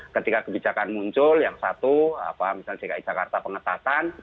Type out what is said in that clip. ketika kebijakan muncul yang satu misalnya dki jakarta pengetatan